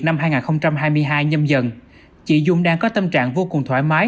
năm hai nghìn hai mươi hai nhâm dần chị dung đang có tâm trạng vô cùng thoải mái